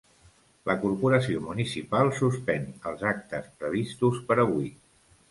La corporació municipal suspèn els actes previstos per avui.